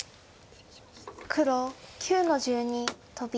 黒９の十二トビ。